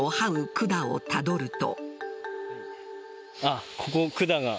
管をたどると。